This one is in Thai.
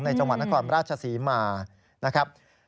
จังหวัดนครราชศรีมานะครับ